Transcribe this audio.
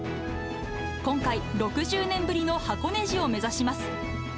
今回、６０年ぶりの箱根路を目指します。